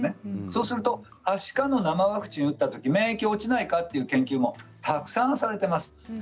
そうするとはしかの生ワクチンを打ったとき免疫が落ちないかという研究もたくさんあります。